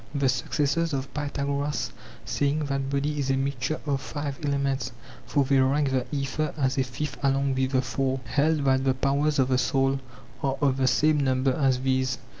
The successors of Pythagoras saying that body is a mixture of five elements (for they ranked the aether as ar fifth along with the four) held that the powers of the soul are of the same number as these.